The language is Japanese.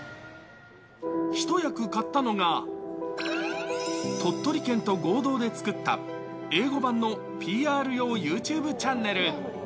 一役買ったのが、鳥取県と合同で作った英語版のＰＲ用ユーチューブチャンネル。